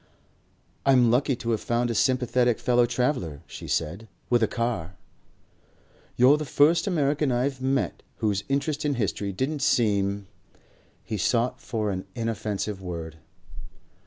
"I'm lucky to have found a sympathetic fellow traveller," she said; "with a car." "You're the first American I've ever met whose interest in history didn't seem " He sought for an inoffensive word.